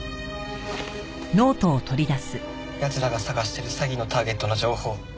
奴らが捜してる詐欺のターゲットの情報。